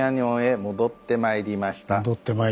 戻ってまいりました。